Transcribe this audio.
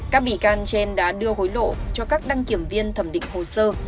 các bị can trên đã đưa hối lộ cho các đăng kiểm viên thẩm định hồ sơ